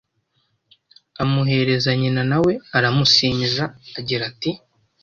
Amuhereza nyina na we aramusimiza agira ati: